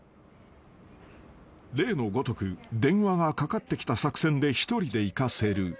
［例のごとく電話がかかってきた作戦で一人で行かせる］